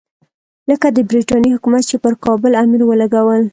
لکه د برټانیې حکومت چې پر کابل امیر ولګول.